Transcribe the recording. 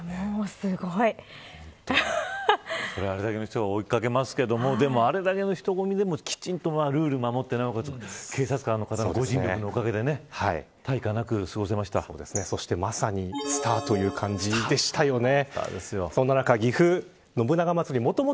あれだけの人が追いかけますけどもでも、あれだけの人混みでもきちんとルールを守ってなおかつ警察官の方のご尽力のお陰でそしてまさにスターという感じでしたね。